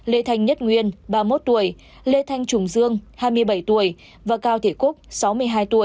lê thanh nhất nguyên ba mươi một tuổi lê thanh trùng dương hai mươi bảy tuổi và cao thể cúc sáu mươi hai tuổi